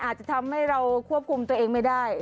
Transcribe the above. อาจจะทำให้เราควบคุมตัวเองไม่ได้